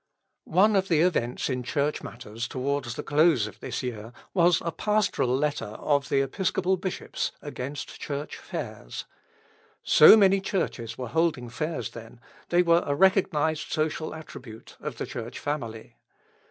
One of the events in Church matters, towards the close of this year, was a pastoral letter of the Episcopal Bishops against Church fairs. So many churches were holding fairs then, they were a recognised social attribute of the Church family.